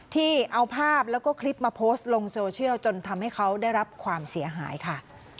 ที่เอาภาพแล้วก็คลิปมาโพสต์ลงโซเชียลจนทำให้เขาได้รับความเสียหายค่ะ